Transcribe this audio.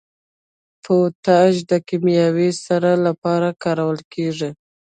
پوټاش د کیمیاوي سرې لپاره کارول کیږي.